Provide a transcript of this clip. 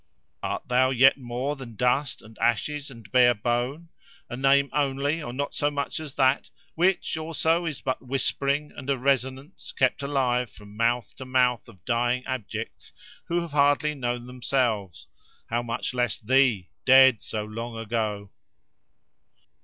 "Art thou yet more than dust and ashes and bare bone—a name only, or not so much as that, which, also, is but whispering and a resonance, kept alive from mouth to mouth of dying abjects who have hardly known themselves; how much less thee, dead so long ago!